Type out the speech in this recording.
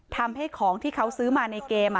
ทำให้ที่ของเค้าซื้อมาในเกม